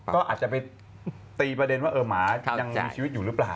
ก็อาจจะไปตีประเด็นว่าหมายังมีชีวิตอยู่หรือเปล่า